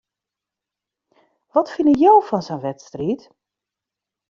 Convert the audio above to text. Wat fine jo fan sa'n wedstriid?